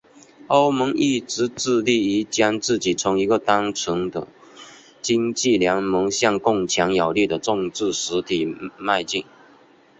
欧盟一直致力于将自己从一个单纯的经济联盟向更强有力的政治实体迈进。